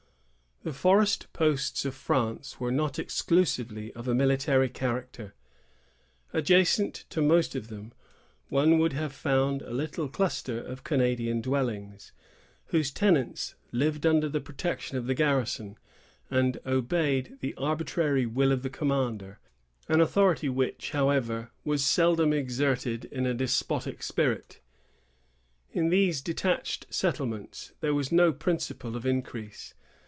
The forest posts of France were not exclusively of a military character. Adjacent to most of them, one would have found a little cluster of Canadian dwellings, whose tenants lived under the protection of the garrison, and obeyed the arbitrary will of the commandant; an authority which, however, was seldom exerted in a despotic spirit. In these detached settlements, there was no principle of increase.